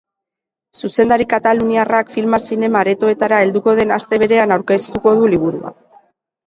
Zuzendari kataluniarrak filma zinema-aretoetara helduko den aste berean aurkeztuko du liburua.